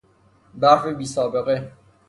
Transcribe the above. برف بیسابقه